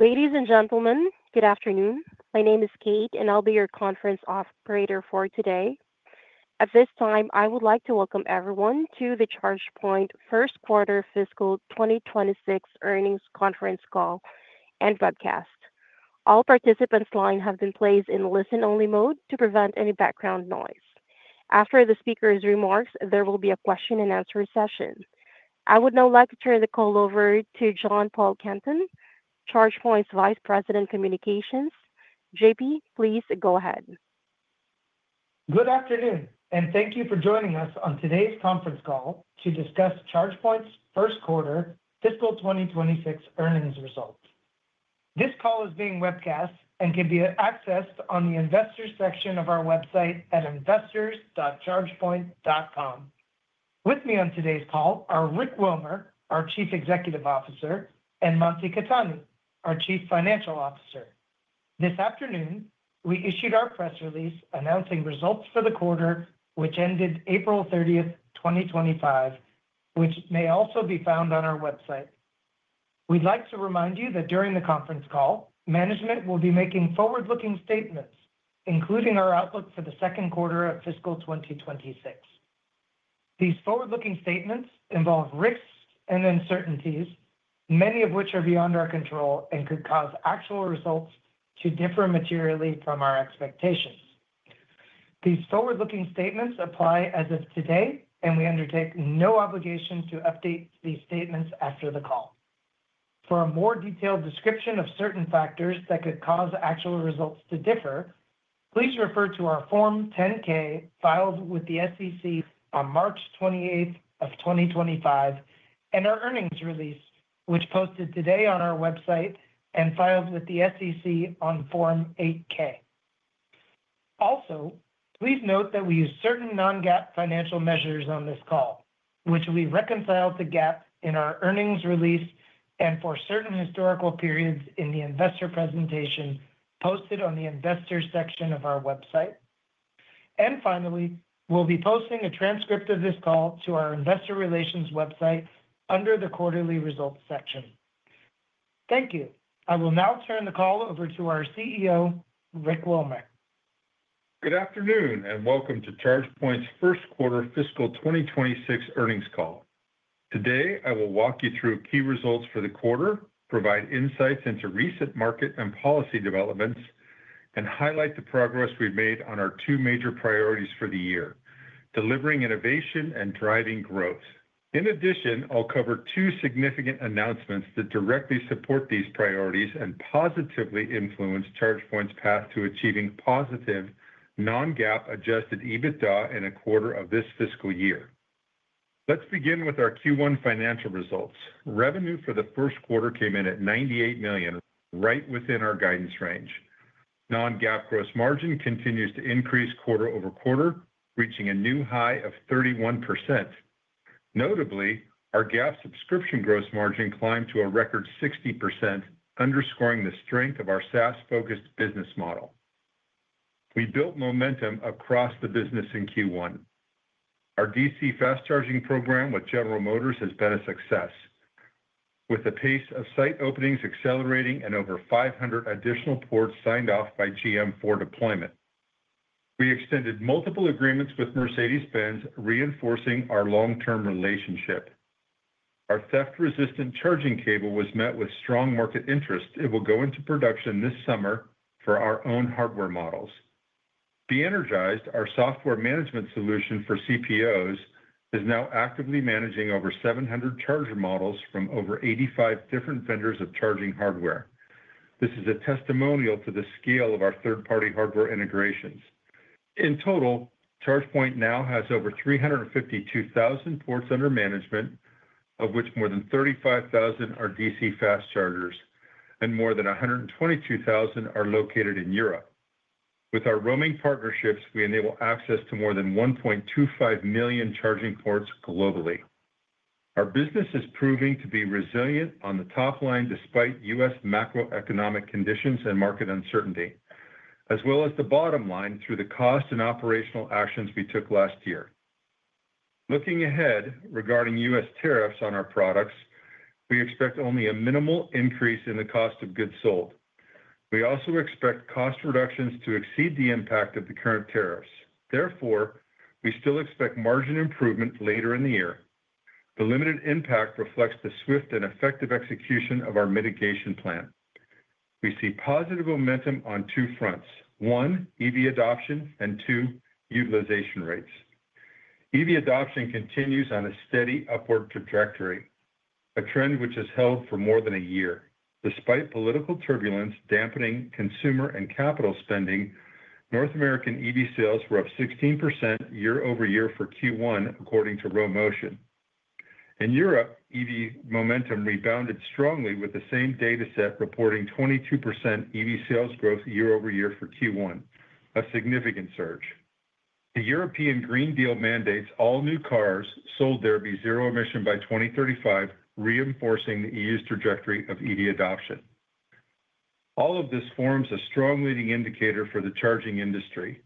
Ladies and gentlemen, good afternoon. My name is Kate, and I'll be your conference operator for today. At this time, I would like to welcome everyone to the ChargePoint first quarter fiscal 2026 earnings conference call and cebcast. All participants' lines have been placed in listen-only mode to prevent any background noise. After the speaker's remarks, there will be a question-and-answer session. I would now like to turn the call over to John Paulo Canton, ChargePoint's Vice President of Communications. JP, please go ahead. Good afternoon, and thank you for joining us on today's conference call to discuss ChargePoint's first quarter fiscal 2026 earnings results. This call is being webcast and can be accessed on the Investors section of our website at investors.chargepoint.com. With me on today's call are Rick Wilmer, our Chief Executive Officer, and Mansi Khetani, our Chief Financial Officer. This afternoon, we issued our press release announcing results for the quarter, which ended April 30th, 2025, which may also be found on our website. We'd like to remind you that during the conference call, management will be making forward-looking statements, including our outlook for the second quarter of fiscal 2026. These forward-looking statements involve risks and uncertainties, many of which are beyond our control and could cause actual results to differ materially from our expectations. These forward-looking statements apply as of today, and we undertake no obligation to update these statements after the call. For a more detailed description of certain factors that could cause actual results to differ, please refer to our Form 10-K filed with the SEC on March 28, 2025, and our earnings release, which posted today on our website and filed with the SEC on Form 8-K. Also, please note that we use certain non-GAAP financial measures on this call, which we reconcile to GAAP in our earnings release and for certain historical periods in the investor presentation posted on the Investors section of our website. Finally, we'll be posting a transcript of this call to our investor relations website under the Quarterly Results section. Thank you. I will now turn the call over to our CEO, Rick Wilmer. Good afternoon, and welcome to ChargePoint's first quarter fiscal 2026 earnings call. Today, I will walk you through key results for the quarter, provide insights into recent market and policy developments, and highlight the progress we've made on our two major priorities for the year: delivering innovation and driving growth. In addition, I'll cover two significant announcements that directly support these priorities and positively influence ChargePoint's path to achieving positive non-GAAP Adjusted EBITDA in a quarter of this fiscal year. Let's begin with our Q1 financial results. Revenue for the first quarter came in at $98 million, right within our guidance range. Non-GAAP gross margin continues to increase quarter over quarter, reaching a new high of 31%. Notably, our GAAP subscription gross margin climbed to a record 60%, underscoring the strength of our SaaS-focused business model. We built momentum across the business in Q1. Our DC fast charging program with General Motors has been a success, with a pace of site openings accelerating and over 500 additional ports signed off by GM for deployment. We extended multiple agreements with Mercedes-Benz, reinforcing our long-term relationship. Our theft-resistant charging cable was met with strong market interest. It will go into production this summer for our own hardware models. be. ENERGISED, our software management solution for CPOs, is now actively managing over 700 charger models from over 85 different vendors of charging hardware. This is a testimonial to the scale of our third-party hardware integrations. In total, ChargePoint now has over 352,000 ports under management, of which more than 35,000 are DC fast chargers, and more than 122,000 are located in Europe. With our roaming partnerships, we enable access to more than 1.25 million charging ports globally. Our business is proving to be resilient on the top line despite U.S. macroeconomic conditions and market uncertainty, as well as the bottom line through the cost and operational actions we took last year. Looking ahead regarding U.S. tariffs on our products, we expect only a minimal increase in the cost of goods sold. We also expect cost reductions to exceed the impact of the current tariffs. Therefore, we still expect margin improvement later in the year. The limited impact reflects the swift and effective execution of our mitigation plan. We see positive momentum on two fronts: one, EV adoption, and two, utilization rates. EV adoption continues on a steady upward trajectory, a trend which has held for more than a year. Despite political turbulence dampening consumer and capital spending, North American EV sales were up 16% year-over-year for Q1, according to Rho Motion. In Europe, EV momentum rebounded strongly, with the same dataset reporting 22% EV sales growth year-over-year for Q1, a significant surge. The European Green Deal mandates all new cars sold there be zero emission by 2035, reinforcing the EU's trajectory of EV adoption. All of this forms a strong leading indicator for the charging industry.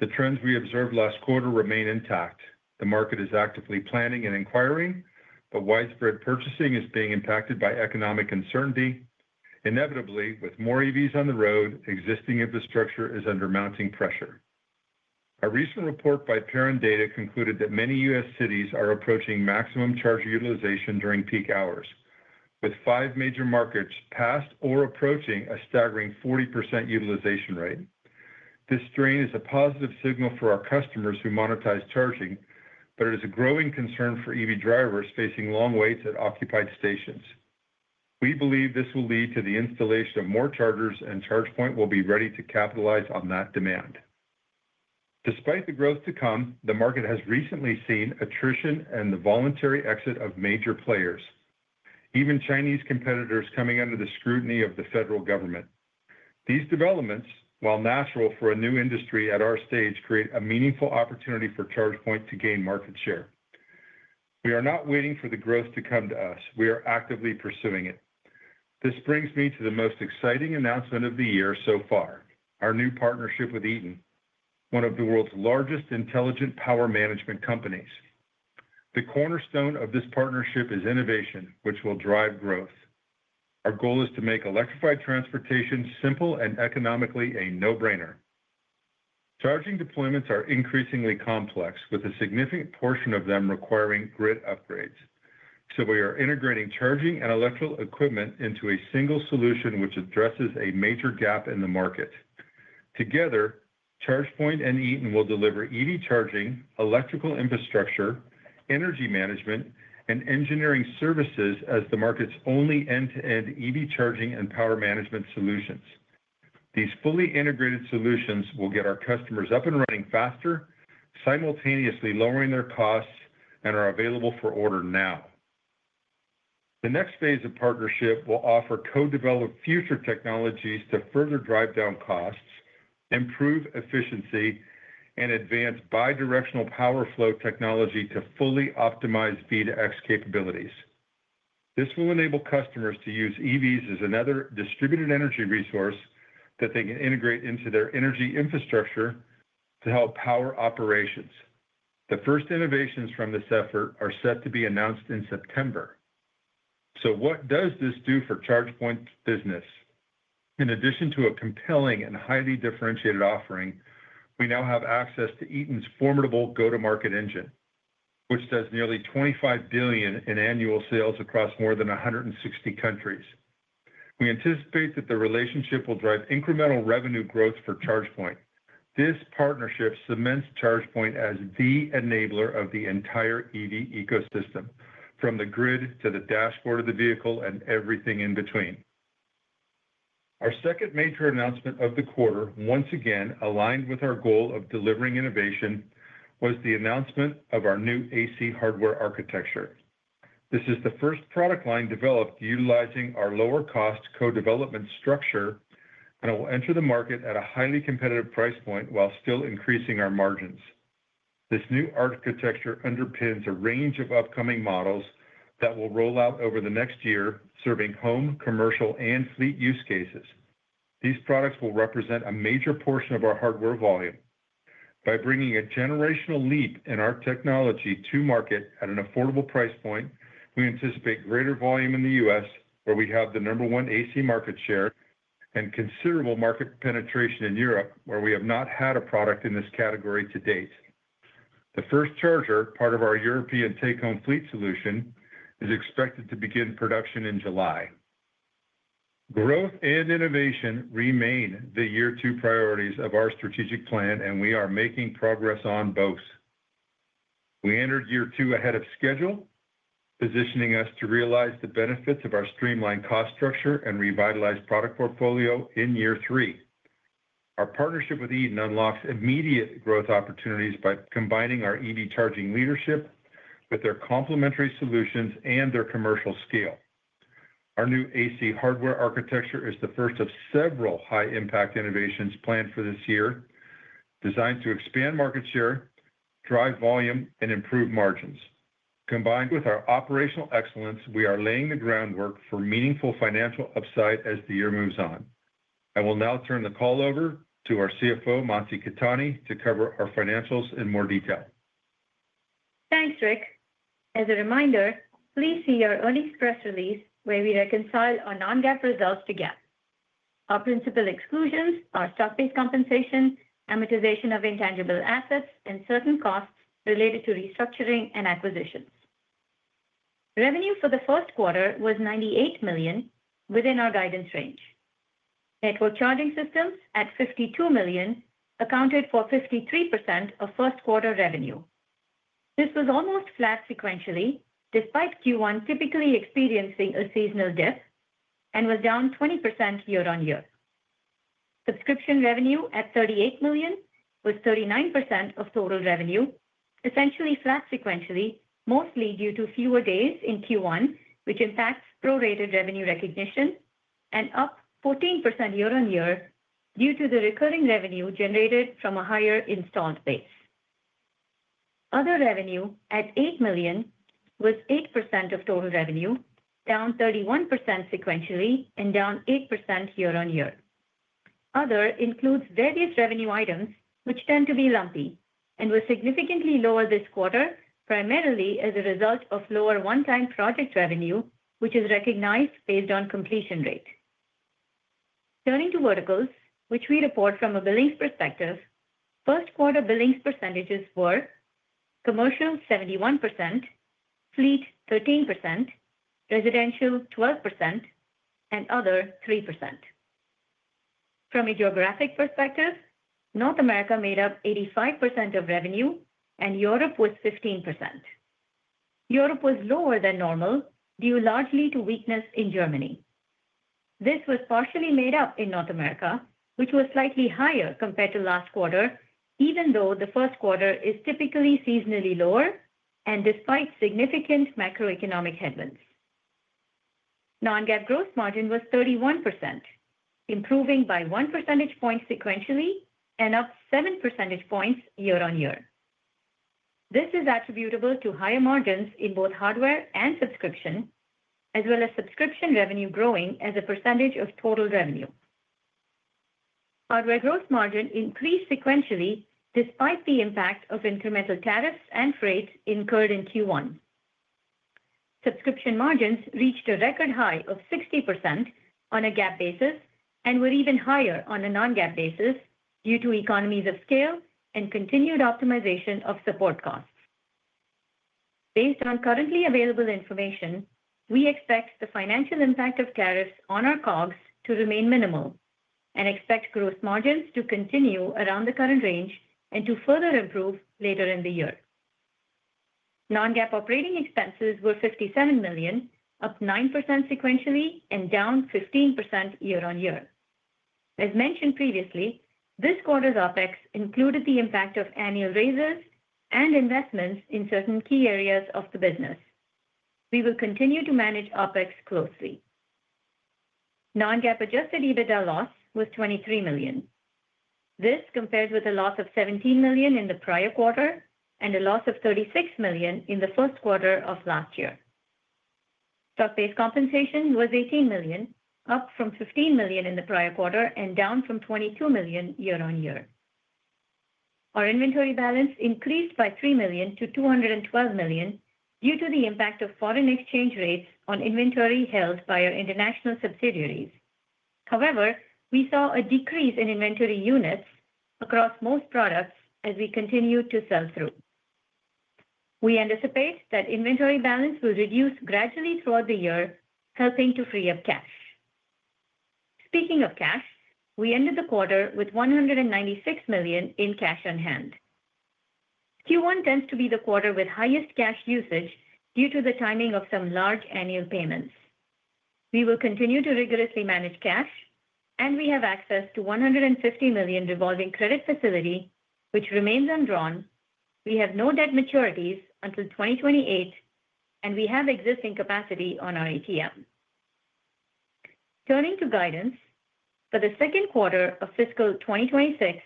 The trends we observed last quarter remain intact. The market is actively planning and inquiring, but widespread purchasing is being impacted by economic uncertainty. Inevitably, with more EVs on the road, existing infrastructure is under mounting pressure. A recent report by Rho Motion concluded that many U.S. cities are approaching maximum charge utilization during peak hours, with five major markets past or approaching a staggering 40% utilization rate. This strain is a positive signal for our customers who monetize charging, but it is a growing concern for EV drivers facing long waits at occupied stations. We believe this will lead to the installation of more chargers, and ChargePoint will be ready to capitalize on that demand. Despite the growth to come, the market has recently seen attrition and the voluntary exit of major players, even Chinese competitors coming under the scrutiny of the federal government. These developments, while natural for a new industry at our stage, create a meaningful opportunity for ChargePoint to gain market share. We are not waiting for the growth to come to us. We are actively pursuing it. This brings me to the most exciting announcement of the year so far: our new partnership with Eaton, one of the world's largest intelligent power management companies. The cornerstone of this partnership is innovation, which will drive growth. Our goal is to make electrified transportation simple and economically a no-brainer. Charging deployments are increasingly complex, with a significant portion of them requiring grid upgrades. We are integrating charging and electrical equipment into a single solution which addresses a major gap in the market. Together, ChargePoint and Eaton will deliver EV charging, electrical infrastructure, energy management, and engineering services as the market's only end-to-end EV charging and power management solutions. These fully integrated solutions will get our customers up and running faster, simultaneously lowering their costs and are available for order now. The next phase of partnership will offer co-developed future technologies to further drive down costs, improve efficiency, and advance bidirectional power flow technology to fully optimize V2X capabilities. This will enable customers to use EVs as another distributed energy resource that they can integrate into their energy infrastructure to help power operations. The first innovations from this effort are set to be announced in September. What does this do for ChargePoint business? In addition to a compelling and highly differentiated offering, we now have access to Eaton's formidable go-to-market engine, which does nearly $25 billion in annual sales across more than 160 countries. We anticipate that the relationship will drive incremental revenue growth for ChargePoint. This partnership cements ChargePoint as the enabler of the entire EV ecosystem, from the grid to the dashboard of the vehicle and everything in between. Our second major announcement of the quarter, once again aligned with our goal of delivering innovation, was the announcement of our new AC hardware architecture. This is the first product line developed utilizing our lower-cost co-development structure, and it will enter the market at a highly competitive price point while still increasing our margins. This new architecture underpins a range of upcoming models that will roll out over the next year, serving home, commercial, and fleet use cases. These products will represent a major portion of our hardware volume. By bringing a generational leap in our technology to market at an affordable price point, we anticipate greater volume in the U.S., where we have the number one AC market share, and considerable market penetration in Europe, where we have not had a product in this category to date. The first charger, part of our European take-home fleet solution, is expected to begin production in July. Growth and innovation remain the year-two priorities of our strategic plan, and we are making progress on both. We entered year two ahead of schedule, positioning us to realize the benefits of our streamlined cost structure and revitalized product portfolio in year three. Our partnership with Eaton unlocks immediate growth opportunities by combining our EV charging leadership with their complementary solutions and their commercial scale. Our new AC hardware architecture is the first of several high-impact innovations planned for this year, designed to expand market share, drive volume, and improve margins. Combined with our operational excellence, we are laying the groundwork for meaningful financial upside as the year moves on. I will now turn the call over to our CFO, Mansi Khetani, to cover our financials in more detail. Thanks, Rick. As a reminder, please see our earnings press release where we reconcile our non-GAAP results to GAAP. Our principal exclusions are stock-based compensation, amortization of intangible assets, and certain costs related to restructuring and acquisitions. Revenue for the first quarter was $98 million within our guidance range. Network charging systems at $52 million accounted for 53% of first-quarter revenue. This was almost flat sequentially despite Q1 typically experiencing a seasonal dip and was down 20% year-on-year. Subscription revenue at $38 million was 39% of total revenue, essentially flat sequentially, mostly due to fewer days in Q1, which impacts prorated revenue recognition, and up 14% year-on-year due to the recurring revenue generated from a higher installed base. Other revenue at $8 million was 8% of total revenue, down 31% sequentially and down 8% year-on-year. Other includes various revenue items, which tend to be lumpy and were significantly lower this quarter, primarily as a result of lower one-time project revenue, which is recognized based on completion rate. Turning to verticals, which we report from a billings perspective, first-quarter billings percentages were commercial 71%, fleet 13%, residential 12%, and other 3%. From a geographic perspective, North America made up 85% of revenue, and Europe was 15%. Europe was lower than normal due largely to weakness in Germany. This was partially made up in North America, which was slightly higher compared to last quarter, even though the first quarter is typically seasonally lower and despite significant macroeconomic headwinds. Non-GAAP gross margin was 31%, improving by one percentage point sequentially and up seven percentage points year-on-year. This is attributable to higher margins in both hardware and subscription, as well as subscription revenue growing as a percentage of total revenue. Hardware gross margin increased sequentially despite the impact of incremental tariffs and freight incurred in Q1. Subscription margins reached a record high of 60% on a GAAP basis and were even higher on a non-GAAP basis due to economies of scale and continued optimization of support costs. Based on currently available information, we expect the financial impact of tariffs on our COGS to remain minimal and expect gross margins to continue around the current range and to further improve later in the year. Non-GAAP operating expenses were $57 million, up 9% sequentially and down 15% year-on-year. As mentioned previously, this quarter's OpEx included the impact of annual raises and investments in certain key areas of the business. We will continue to manage OpEx closely. Non-GAAP Adjusted EBITDA loss was $23 million. This compares with a loss of $17 million in the prior quarter and a loss of $36 million in the first quarter of last year. Stock-based compensation was $18 million, up from $15 million in the prior quarter and down from $22 million year-on-year. Our inventory balance increased by $3 million-$212 million due to the impact of foreign exchange rates on inventory held by our international subsidiaries. However, we saw a decrease in inventory units across most products as we continued to sell through. We anticipate that inventory balance will reduce gradually throughout the year, helping to free up cash. Speaking of cash, we ended the quarter with $196 million in cash on hand. Q1 tends to be the quarter with highest cash usage due to the timing of some large annual payments. We will continue to rigorously manage cash, and we have access to a $150 million revolving credit facility, which remains undrawn. We have no debt maturities until 2028, and we have existing capacity on our ATM. Turning to guidance, for the second quarter of fiscal 2026,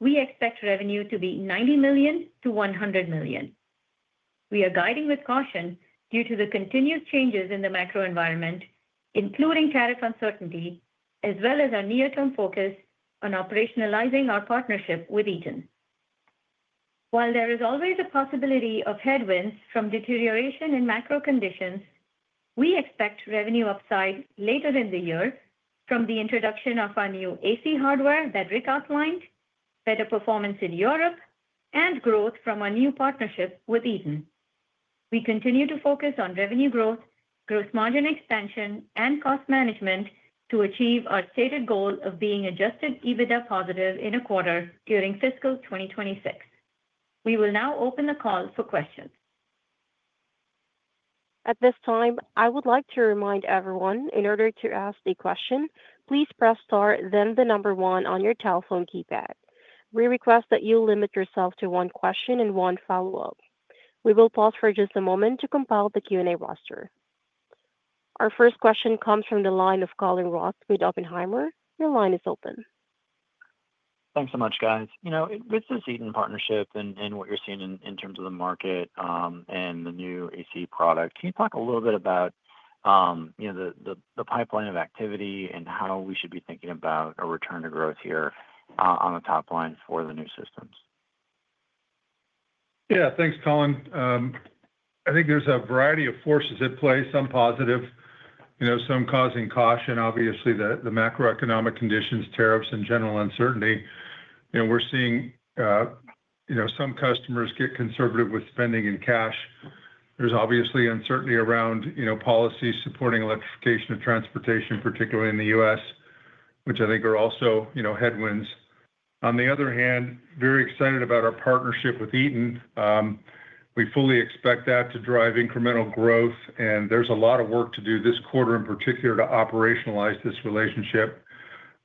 we expect revenue to be $90 million-$100 million. We are guiding with caution due to the continued changes in the macro environment, including tariff uncertainty, as well as our near-term focus on operationalizing our partnership with Eaton. While there is always a possibility of headwinds from deterioration in macro conditions, we expect revenue upside later in the year from the introduction of our new AC hardware that Rick outlined, better performance in Europe, and growth from our new partnership with Eaton. We continue to focus on revenue growth, gross margin expansion, and cost management to achieve our stated goal of being Adjusted EBITDA positive in a quarter during fiscal 2026. We will now open the call for questions. At this time, I would like to remind everyone, in order to ask the question, please press star, then the number one on your telephone keypad. We request that you limit yourself to one question and one follow-up. We will pause for just a moment to compile the Q&A roster. Our first question comes from the line of Colin Rusch with Oppenheimer. Your line is open. Thanks so much, guys. You know, with this Eaton partnership and what you're seeing in terms of the market and the new AC product, can you talk a little bit about the pipeline of activity and how we should be thinking about a return to growth here on the top line for the new systems? Yeah, thanks, Colin. I think there's a variety of forces at play, some positive, you know, some causing caution, obviously, the macroeconomic conditions, tariffs, and general uncertainty. You know, we're seeing, you know, some customers get conservative with spending in cash. There's obviously uncertainty around, you know, policies supporting electrification of transportation, particularly in the U.S., which I think are also, you know, headwinds. On the other hand, very excited about our partnership with Eaton. We fully expect that to drive incremental growth, and there's a lot of work to do this quarter in particular to operationalize this relationship.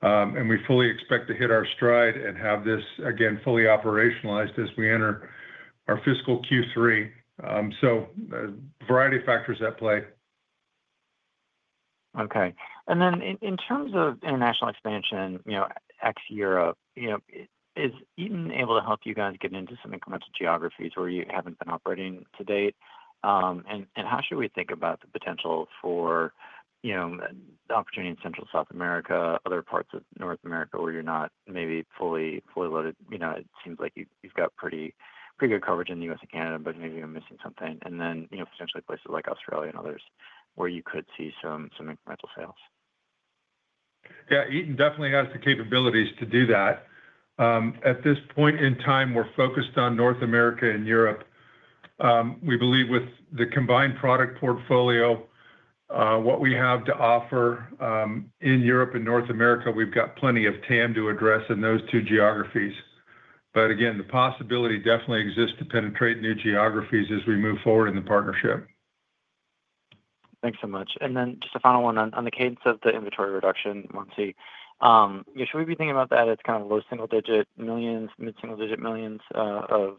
We fully expect to hit our stride and have this, again, fully operationalized as we enter our fiscal Q3. A variety of factors at play. Okay. And then in terms of international expansion, you know, ex-Europe, you know, is Eaton able to help you guys get into some incremental geographies where you have not been operating to date? And how should we think about the potential for, you know, the opportunity in Central South America, other parts of North America where you are not maybe fully loaded? You know, it seems like you have got pretty good coverage in the U.S. and Canada, but maybe you are missing something. And then, you know, potentially places like Australia and others where you could see some incremental sales. Yeah, Eaton definitely has the capabilities to do that. At this point in time, we're focused on North America and Europe. We believe with the combined product portfolio, what we have to offer in Europe and North America, we've got plenty of TAM to address in those two geographies. The possibility definitely exists to penetrate new geographies as we move forward in the partnership. Thanks so much. And then just a final one on the cadence of the inventory reduction, Mansi. You know, should we be thinking about that as kind of low single-digit millions, mid-single-digit millions of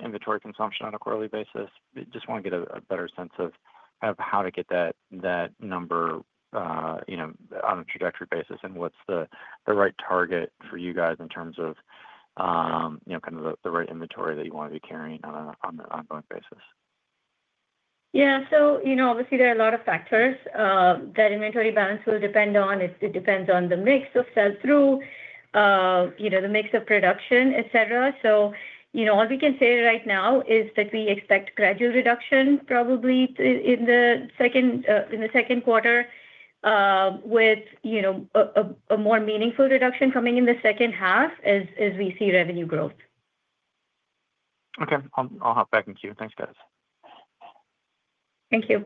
inventory consumption on a quarterly basis? Just want to get a better sense of kind of how to get that number, you know, on a trajectory basis and what's the right target for you guys in terms of, you know, kind of the right inventory that you want to be carrying on an ongoing basis? Yeah, so, you know, obviously there are a lot of factors that inventory balance will depend on. It depends on the mix of sell-through, you know, the mix of production, et cetera. So, you know, all we can say right now is that we expect gradual reduction probably in the second quarter, with, you know, a more meaningful reduction coming in the second half as we see revenue growth. Okay. I'll hop back in queue. Thanks, guys. Thank you.